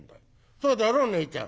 そうだろ？ねえちゃん」。